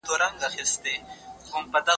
د سترگو تور مې ستا د سترگو و لېمو ته سپارم